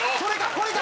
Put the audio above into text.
これか？